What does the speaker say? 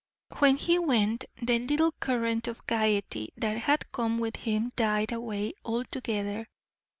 When he went, the little current of gayety that had come with him died away all together.